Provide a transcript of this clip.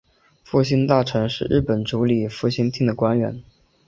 复兴大臣是日本主理复兴厅的官员。